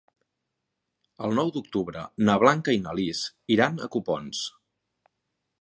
El nou d'octubre na Blanca i na Lis iran a Copons.